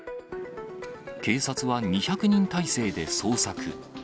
警察は２００人態勢で捜索。